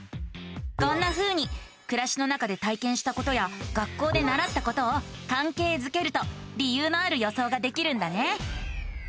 こんなふうにくらしの中で体験したことや学校でならったことをかんけいづけると理由のある予想ができるんだね。